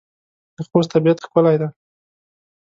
د خوست طبيعت ښکلی دی.